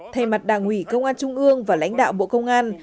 thay mặt đảng ủy công an trung ương và lãnh đạo bộ công an